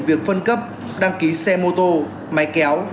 việc phân cấp đăng ký xe mô tô máy kéo